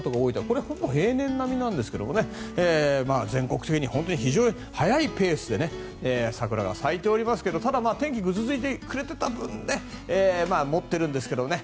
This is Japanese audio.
これ、ほぼ例年並みなんですが全国的に非常に早いペースで桜が咲いておりますがただ、天気ぐずついてくれていた分持っているんですけどね。